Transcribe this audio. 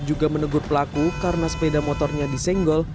juga menegur pelaku karena sepeda motornya disenggol